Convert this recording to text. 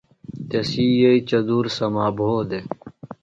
تسی یئیئۡیۡ چدُور سما بھودےۡ۔